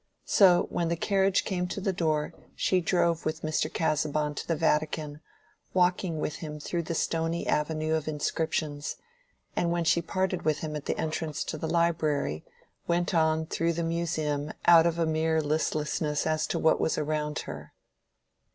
So when the carriage came to the door, she drove with Mr. Casaubon to the Vatican, walked with him through the stony avenue of inscriptions, and when she parted with him at the entrance to the Library, went on through the Museum out of mere listlessness as to what was around her.